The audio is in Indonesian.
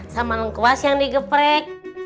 sama lengkuas yang digeprek